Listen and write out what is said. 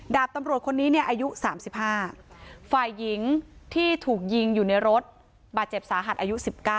ดาบตำรวจคนนี้เนี่ยอายุ๓๕ฝ่ายหญิงที่ถูกยิงอยู่ในรถบาดเจ็บสาหัสอายุ๑๙